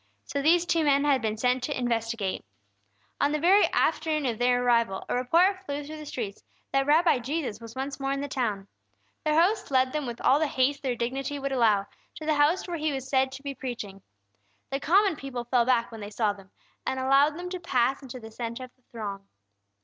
So these two men had been sent to investigate. On the very afternoon of their arrival, a report flew through the streets that the Rabbi Jesus was once more in the town. Their host led them with all the haste their dignity would allow, to the house where He was said to be preaching. The common people fell back when they saw them, and allowed them to pass into the centre of the throng.